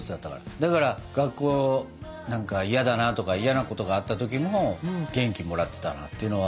だから学校なんか嫌だなとか嫌なことあった時も元気もらってたなっていうのは。